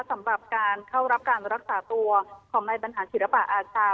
สำหรับการเข้ารับการรักษาตัวของในปัญหาศิริปะอาจารย์